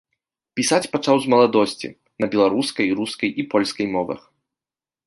Пісаць пачаў з маладосці, на беларускай, рускай і польскай мовах.